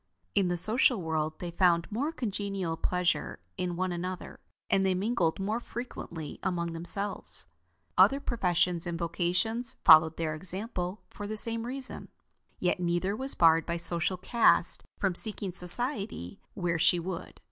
In the social world, they found more congenial pleasure in one another, and they mingled more frequently among themselves. Other professions and vocations followed their example for the same reason. Yet neither was barred by social caste from seeking society where she would.